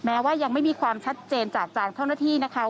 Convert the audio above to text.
แม้ว่ายังไม่มีความชัดเจนจากจานเจ้าหน้าที่นะคะ